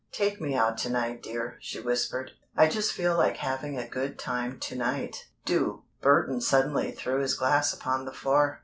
"Take me out to night, dear," she whispered. "I feel just like having a good time to night. Do!" Burton suddenly threw his glass upon the floor.